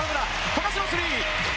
富樫のスリー！